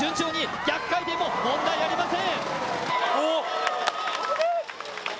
逆回転も問題ありません。